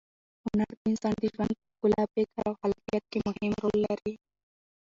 هنر د انسان د ژوند په ښکلا، فکر او خلاقیت کې مهم رول لري.